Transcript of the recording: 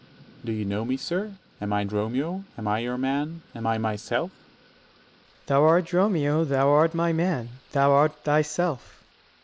S._ Do you know me, sir? am I Dromio? am I your man? am I myself? Ant. S. Thou art Dromio, thou art my man, thou art 75 thyself.